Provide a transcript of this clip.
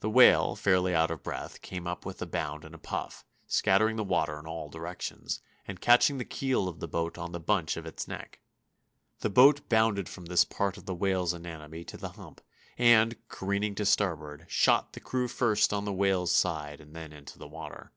The whale, fairly out of breath, came up with a bound and a puff, scattering the water in all directions, and catching the keel of the boat on the bunch of its neck. The boat bounded from this part of the whale's anatomy to the hump, and, careening to starboard, shot the crew first on the whale's side and then into the water.